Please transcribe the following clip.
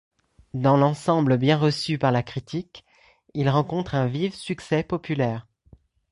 Dans l'ensemble bien reçu par la critique, il rencontre un vif succès populaire.